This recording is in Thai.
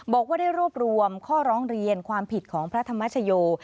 บอกว่าได้รวบรวมข้อร้องเรียนความผิดของพระธรรมชโย